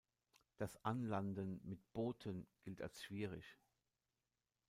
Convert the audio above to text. Das Anlanden mit Booten gilt als schwierig.